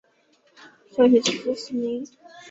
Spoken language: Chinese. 绍兴十四年。